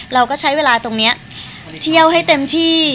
เราก็ใช้เวลาตรงนี้เที่ยวให้เต็มที่